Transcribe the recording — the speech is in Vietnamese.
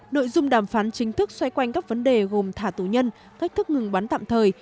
nội dung đàm phán chính thức xoay quanh các vấn đề gồm thả tù nhân cách thức ngừng bắn tạm thời